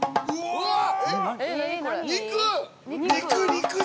うわっ！